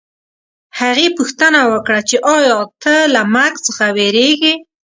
هغې پوښتنه وکړه چې ایا ته له مرګ څخه وېرېږې